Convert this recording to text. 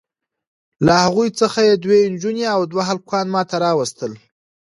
له هغوی څخه یې دوې نجوني او دوه هلکان ماته راواستول.